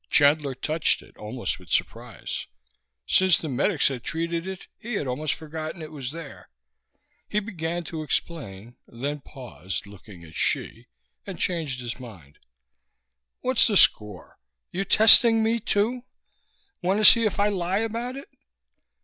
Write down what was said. Chandler touched it, almost with surprise. Since the medics had treated it he had almost forgotten it was there. He began to explain, then paused, looking at Hsi, and changed his mind. "What's the score? You testing me, too? Want to see if I'll lie about it?"